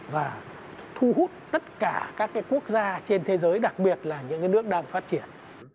và thu hút tất cả các quốc gia trên thế giới đặc biệt là những nước đang phát triển